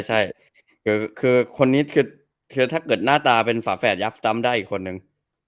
ใช่คือคนนี้คือถ้าเกิดหน้าตาเป็นฝาแฝดยับซ้ำได้อีกคนนึง